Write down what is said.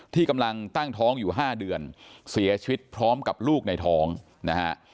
ที่กำลังตั้งท้องอยู่๕เดือนเสียชีวิตพร้อมกับลูกในท้องนะฮะ